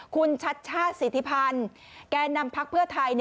คุณชัดชาติสิทธิพันธ์แก่นำพักเพื่อไทย